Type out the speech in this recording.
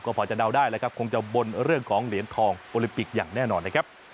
ก็พอจะนาวได้คงจะบนเรื่องของเหรียญทองบริปิกอย่างแน่นอน